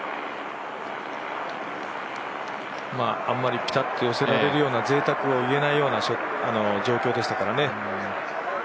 あまりピタッと寄せられるようなぜいたくを言えないような状況でしたからね。